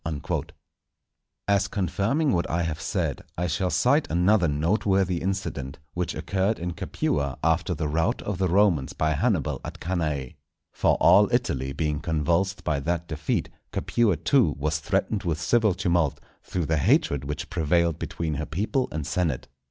_" As confirming what I have said, I shall cite another noteworthy incident, which occurred in Capua after the rout of the Romans by Hannibal at Cannæ. For all Italy being convulsed by that defeat, Capua too was threatened with civil tumult, through the hatred which prevailed between her people and senate.